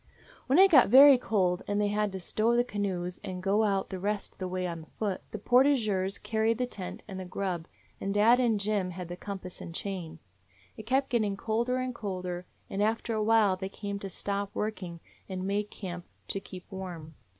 "When it got very cold they had to stow the canoes and go the rest of the way on foot. The portageurs carried the tent and the grub, and dad and Jim had the compass and chain. It kept getting colder and colder, and after a while they had to stop working and make camp to keep warm.